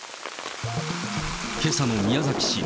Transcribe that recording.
けさの宮崎市。